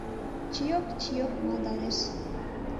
Чиок-чиок малдалеш.